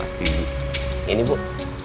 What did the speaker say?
masih ya pak